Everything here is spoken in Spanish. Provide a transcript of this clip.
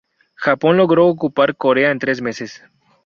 Japón logró ocupar Corea en tres meses.